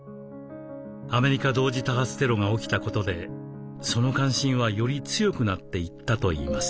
アメリカ同時多発テロが起きたことでその関心はより強くなっていったといいます。